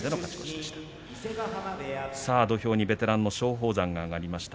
土俵にベテランの松鳳山が上がりました。